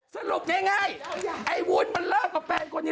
สรุปง่ายไอ้วุ้นมันเลิกกับแฟนคนนี้